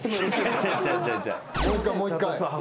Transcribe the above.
もう一回もう一回。